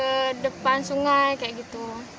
ke depan sungai kayak gitu